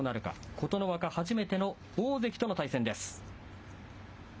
琴ノ若、初めての大関との対戦です。